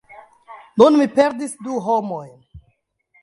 Nun mi perdis du homojn!